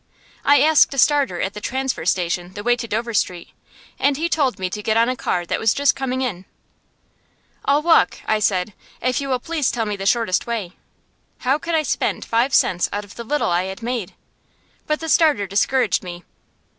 I asked a starter at the transfer station the way to Dover Street, and he told me to get on a car that was just coming in. "I'll walk," I said, "if you will please tell me the shortest way." How could I spend five cents out of the little I had made? But the starter discouraged me.